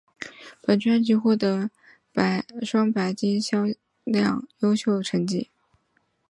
本专辑获得双白金销量优秀成绩。